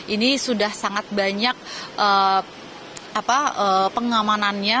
ini sudah sangat banyak pengamanannya